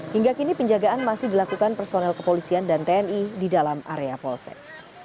hingga kini penjagaan masih dilakukan personel kepolisian dan tni di dalam area polsek